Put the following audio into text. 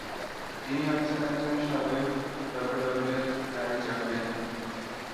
তিনি হচ্ছেন একজন সাবেক ডাব্লিউডাব্লিউই র নারী চ্যাম্পিয়ন।